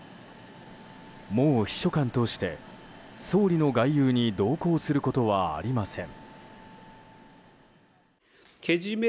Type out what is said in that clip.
もう秘書官として、総理の外遊に同行することはありません。